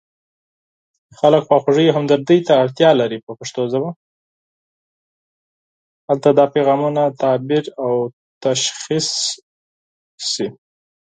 هلته دا پیغامونه تعبیر او تشخیص شي.